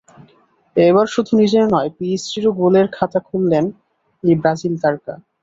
এবার শুধু নিজের নয়, পিএসজিরও গোলের খাতা খুললেন এই ব্রাজিল তারকা।